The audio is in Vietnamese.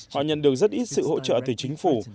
họ nhận được rất ít sự hỗ trợ từ chính phủ